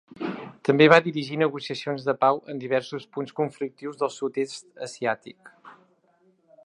També va dirigir negociacions de pau en diversos punts conflictius del sud-est asiàtic.